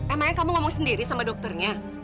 emangnya kamu ngomong sendiri sama dokternya